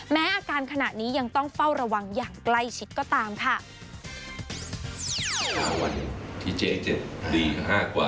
อาการขณะนี้ยังต้องเฝ้าระวังอย่างใกล้ชิดก็ตามค่ะ